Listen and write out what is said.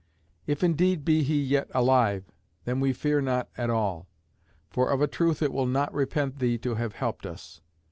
If indeed he be yet alive, then we fear not at all. For of a truth it will not repent thee to have helped us.